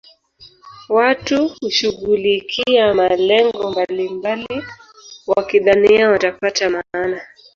watu hushughulikia malengo mbalimbali wakidhania watapata maana